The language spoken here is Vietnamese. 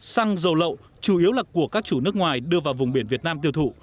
xăng dầu lậu chủ yếu là của các chủ nước ngoài đưa vào vùng biển việt nam tiêu thụ